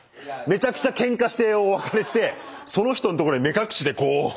めちゃくちゃけんかしてお別れしてその人のところに目隠しでこう。